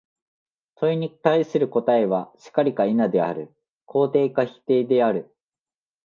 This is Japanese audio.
問に対する答は、「然り」か「否」である、肯定か否定である。